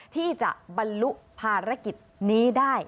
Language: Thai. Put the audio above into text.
ที่จะบรรลุภารกิจนี้ได้